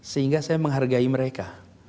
sehingga saya menghargai mereka